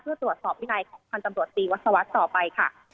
เพื่อตรวจสอบวินัยของพันธ์ตำรวจตีวัศวรรษต่อไปค่ะ